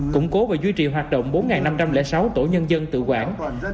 củng cố và duy trì hoạt động bốn năm trăm linh sáu tổ nhân dân tự quản